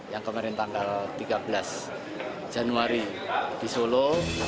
yang kemarin tanggal tiga belas januari di solo